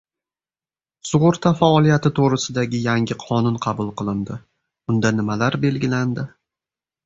Sug‘urta faoliyati to‘g‘risidagi yangi qonun qabul qilindi. Unda nimalar belgilandi?